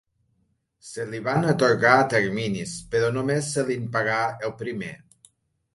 Se li van atorgar a terminis, però només se li'n pagà el primer.